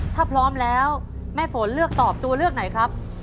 ถ้าพร้อมแล้วแม่ฝนเลือกตอบตัวเลือกไหนครับ